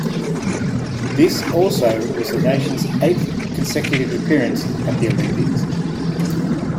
This also was the nation's eighth consecutive appearance at the Olympics.